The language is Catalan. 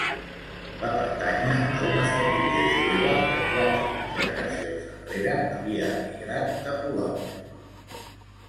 Va pertànyer a una família jueva que quatre generacions enrere havia emigrat de Polònia.